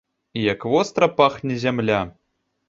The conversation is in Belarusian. І як востра пахне зямля!